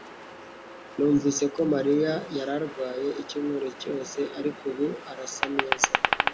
Numvise ko Mariya yari arwaye icyumweru cyose, ariko ubu arasa neza